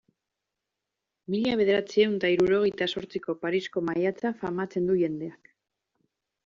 Mila bederatziehun eta hirurogeita zortziko Parisko maiatza famatzen du jendeak.